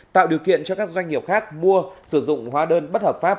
tạo điều kiện cho các doanh nghiệp khác mua sử dụng hóa đơn bất hợp pháp